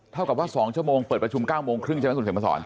เท่ากับว่าสองชั่วโมงเปิดประชุมเก้าโมงครึ่งใช่ไหมศูนย์เสมอสอน